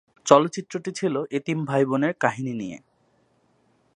চলচ্চিত্রটি ছিলো এতিম ভাই-বোনের কাহিনী নিয়ে।